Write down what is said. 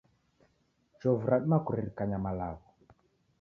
Chovu radima kuririkanya malagho